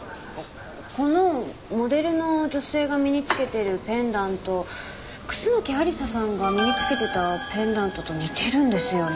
このモデルの女性が身に着けているペンダント楠木亜理紗さんが身に着けてたペンダントと似てるんですよね。